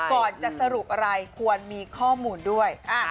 ก่อนจะสรุปอะไรควรมีข้อมูลด้วย